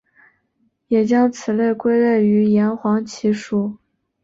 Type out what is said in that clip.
也将此类归类于岩黄蓍属。